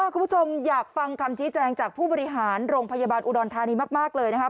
คุณผู้ชมอยากฟังคำชี้แจงจากผู้บริหารโรงพยาบาลอุดรธานีมากเลยนะครับ